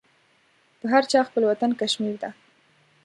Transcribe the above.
په هر چا خپل وطن کشمير ده.